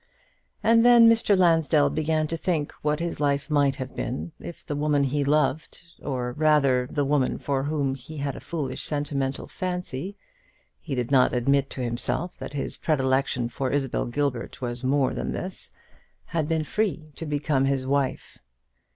And then Mr. Lansdell began to think what his life might have been, if the woman he loved, or rather the woman for whom he had a foolish sentimental fancy, he did not admit to himself that his predilection for Isabel Gilbert was more than this, had been free to become his wife.